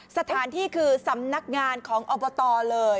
สถานที่คือสำนักงานของอบตเลย